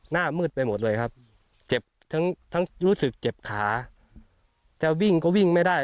หน้ามืดไปหมดเลยครับเจ็บทั้งรู้สึกเจ็บขาจะวิ่งก็วิ่งไม่ได้